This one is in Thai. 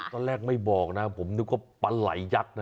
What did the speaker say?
ตอนแรกไม่บอกนะผมนึกว่าปลาไหลยักษ์นะ